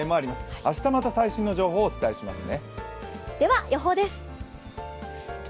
明日また最新の情報をお伝えしますね。